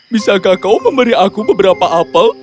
bisakah kau memberi aku beberapa apel